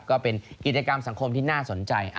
ก็เป็นกิจกรรมสังคมที่น่าสนใจ